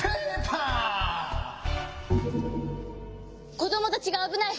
こどもたちがあぶない！